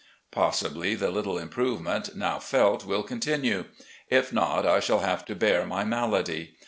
Possibly the little improvement now felt will continue. If not, I shall have to bear my malady.